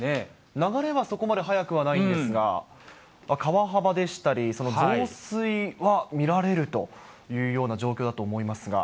流れはそこまで速くはないんですが、川幅でしたり、増水は見られるというような状況だと思いますが。